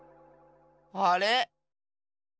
あれ？